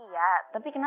iya tapi kenapa